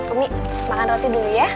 kami makan roti dulu ya